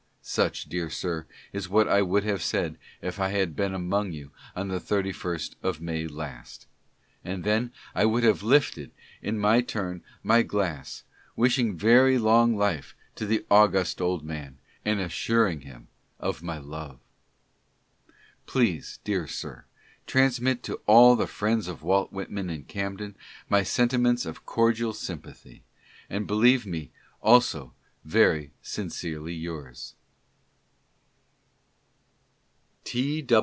Such, dear sir, is what I would have said if I had been among you on the 31st of May last; and, then I would have lifted, in my turn, my glass, wishing very long life to the august old man, and assuring him of my love. Please, dear sir, transmit to all the friends of Walt Whitman, in Camden, my sentiments of cordial sympathy; and believe me also very sincerely yours.